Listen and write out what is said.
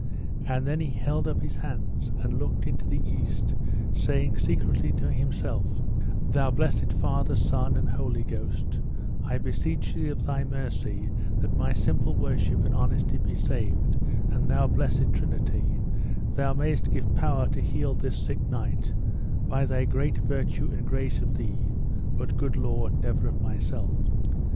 And then he held up his hands, and looked into the east, saying secretly unto himself: Thou blessed Father, Son, and Holy Ghost, I beseech thee of thy mercy, that my simple worship and honesty be saved, and thou blessed Trinity, thou mayst give power to heal this sick knight by thy great virtue and grace of thee, but, Good Lord, never of myself.